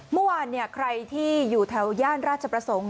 เมื่อวานใครที่อยู่แถวย่านราชประสงค์